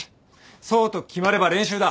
そうと決まれば練習だ。